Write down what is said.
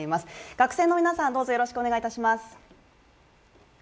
学生の皆さん、どうぞよろしくお願いいたします。